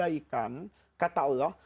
satu kebaikan kata allah